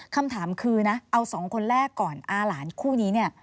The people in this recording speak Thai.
คำถามคือนะเอาสองคนแรกก่อนอาหลานคู่นี้เนี่ย